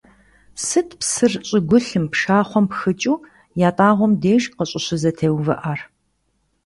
Сыт псыр щӀыгулъым, пшахъуэм пхыкӀыу ятӀагъуэм деж къыщӀыщызэтеувыӀэр?